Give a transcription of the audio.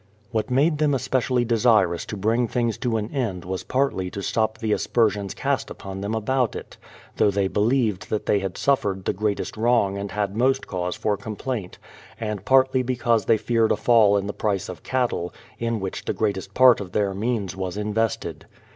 What made them especially desirous to bring things to an end was, partly to stop the aspersions cast upon them about it, — though they believed that they had suffered the greatest wrong and had most cause for complaint; and partly because they feared a fall in the price of cattle, in which the greatest part of their means was invested.